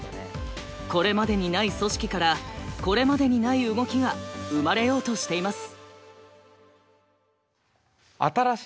これまでにない組織からこれまでにない動きが生まれようとしています。